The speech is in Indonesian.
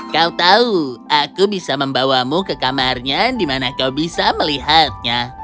kau tahu aku bisa membawamu ke kamarnya di mana kau bisa melihatnya